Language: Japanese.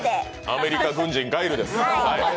アメリカ軍人・ガイルです。